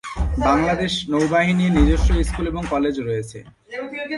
বাংলাদেশ নৌবাহিনীর নিজস্ব স্কুল এবং কলেজ রয়েছে।